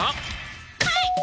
はい！